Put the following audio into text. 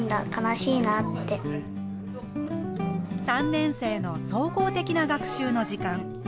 ３年生の総合的な学習の時間。